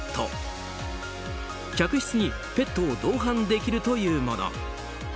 客室にペットを同伴できるというもの。